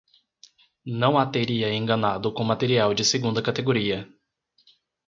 não a teria enganado com material de segunda categoria.